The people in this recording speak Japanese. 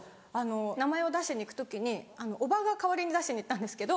名前を出しに行く時におばが代わりに出しに行ったんですけど。